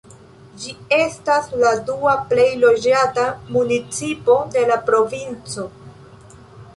Ĝi estas la dua plej loĝata municipo de la provinco.